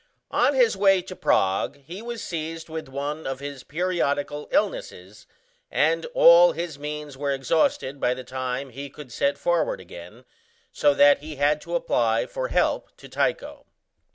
On his way to Prague he was seized with one of his periodical illnesses, and all his means were exhausted by the time he could set forward again, so that he had to apply for help to Tycho.